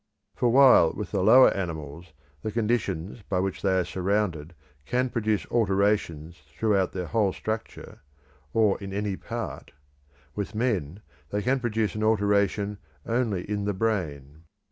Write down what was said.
For while with the lower animals the conditions by which they are surrounded can produce alterations throughout their whole structure, or in any part; with men, they can produce an alteration only in the brain.